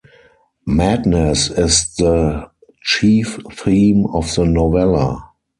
Madness is the chief theme of the novella.